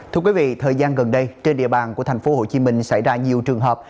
thưa quý vị thời gian gần đây trên địa bàn của tp hcm xảy ra nhiều trường hợp